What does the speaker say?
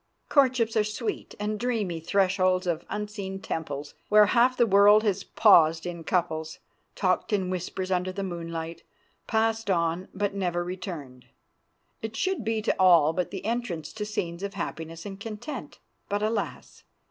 Courtships are sweet and dreamy thresholds of unseen temples, where half the world has paused in couples, talked in whispers under the moonlight, passed on, but never returned. It should be to all but the entrance to scenes of happiness and content. But, alas!